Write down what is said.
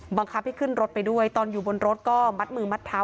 บังคับให้ขึ้นรถไปด้วยตอนอยู่บนรถก็มัดมือมัดเท้า